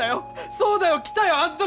そうだよ来たよあん時！